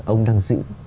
ông đang giữ